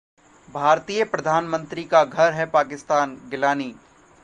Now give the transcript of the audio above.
भारतीय प्रधानमंत्री का ‘घर’ है पाकिस्तान: गिलानी